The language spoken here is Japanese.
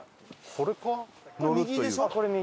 これ右でしょ？